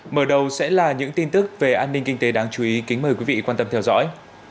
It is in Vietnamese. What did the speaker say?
mở đầu sẽ là những tin tức về an ninh kinh tế đáng chú ý kính mời quý vị quan tâm theo dõi